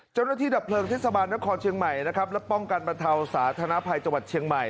เจ้าหน้าที่ดับเพลิงทฤษฐาบาลนครเชียงใหม่และป้องกันประเทาสาธนภัยจังหวัดเชียงใหม่